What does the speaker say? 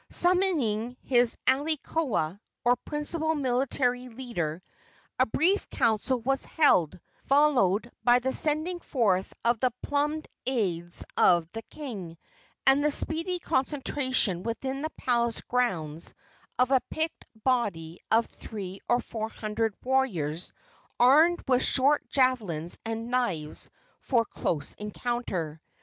Summoning his alii koa, or principal military leader, a brief council was held, followed by the sending forth of the plumed aids of the king, and the speedy concentration within the palace grounds of a picked body of three or four hundred warriors armed with short javelins and knives for close encounter.